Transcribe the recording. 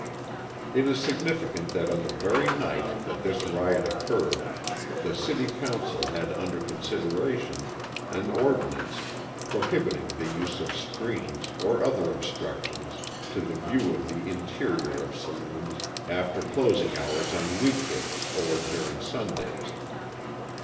It is significant that on the very night that this riot occurred the city council had under consideration an ordinance prohibiting the use of screens or other obstructions to the view of the interior of saloons after closing hours on week days or during Sundays.